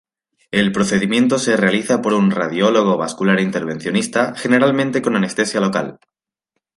El procedimiento se realiza por un Radiólogo Vascular Intervencionista, generalmente con anestesia local.